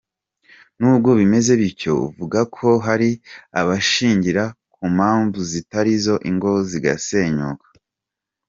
Nubwo bimeze bityo, vuga ko hari abashingira ku mpamvu zitarizo ingo zigasenyuka.